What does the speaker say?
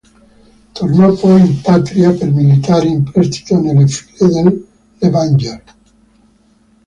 Tornò poi in patria, per militare in prestito nelle file del Levanger.